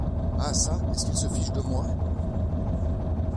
Ah! ça, est-ce qu’ils se fichent de moi?